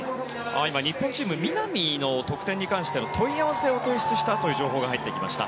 日本チーム南の得点に関しての問い合わせを提出したという情報が入ってきました。